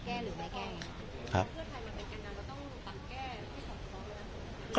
หรือว่าใครมาเป็นแก่นำก็ต้องหลักแก้ให้สอดคล้อง